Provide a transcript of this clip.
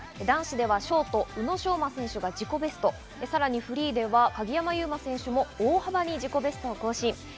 男子ではショート、宇野昌磨選手が自己ベスト、さらにフリーでは鍵山優真選手も大幅に自己ベストを更新。